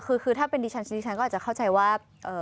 คือถ้าเป็นดิฉันดิฉันก็อาจจะเข้าใจว่า